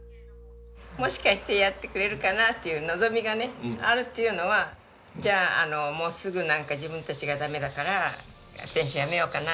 もしかしてやってくれるかな？っていう望みがあるっていうのはじゃあもうすぐ自分たちがダメだからペンションやめようかな